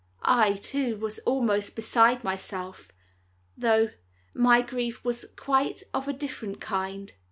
I, too, was almost beside myself, though my grief was quite of a different kind.